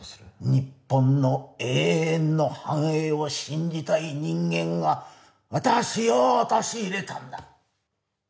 日本の永遠の繁栄を信じたい人間が私を陥れたんだ